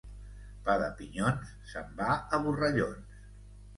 Pa de pinyons se'n va a borrallons.